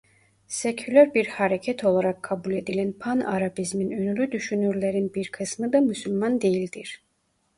Seküler bir hareket olarak kabul edilen Pan-Arabizmin ünlü düşünürlerin bir kısmı da Müslüman değildir.